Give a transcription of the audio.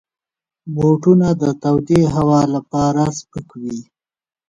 بوټونه د تودې هوا لپاره سپک وي.